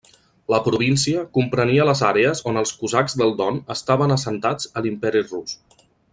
La província comprenia les àrees on els cosacs del Don estaven assentats a l'Imperi rus.